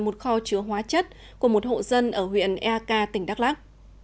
một kho chứa hóa chất của một hộ dân ở huyện eak tỉnh đắk lắc